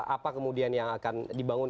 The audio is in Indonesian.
apa kemudian yang akan dibangun